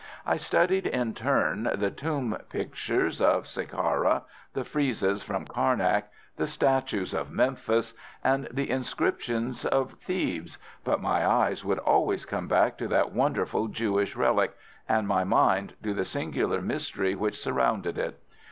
I studied in turn the tomb pictures of Sicara, the friezes from Karnak, the statues of Memphis, and the inscriptions of Thebes, but my eyes would always come back to that wonderful Jewish relic, and my mind to the singular mystery which surrounded it.